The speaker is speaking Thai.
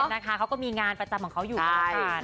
นะคะเขาก็มีงานประจำของเขาอยู่เหมือนกัน